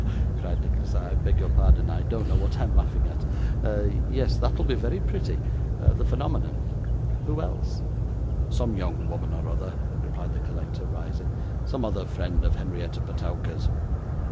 cried Nicholas. 'I beg your pardon, I don't know what I'm laughing at yes, that'll be very pretty the phenomenon who else?' 'Some young woman or other,' replied the collector, rising; 'some other friend of Henrietta Petowker's.